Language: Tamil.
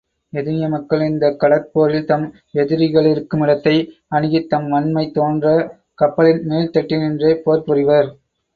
எதினிய மக்கள் இந்தக் கடற்போரில் தம் எதிரிகளிருக்குமிடத்தை அணுகித் தம் வன்மை தோன்ற கப்பலின் மேல்தட்டினின்றே போர் புரிவர்.